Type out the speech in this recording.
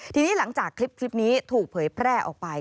ทีนี้หลังจากคลิปนี้ถูกเผยแพร่ออกไป